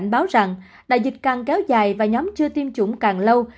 cảnh báo rằng đại dịch càng kéo dài và nhóm chưa tiêm chủng càng lâu